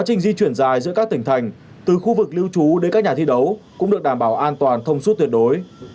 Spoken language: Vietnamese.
tỉnh thành từ khu vực lưu trú đến các nhà thi đấu cũng được đảm bảo an toàn thông suốt tuyệt đối